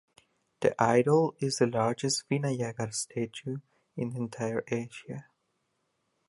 The idol is the largest Vinayagar statue in the entire Asia.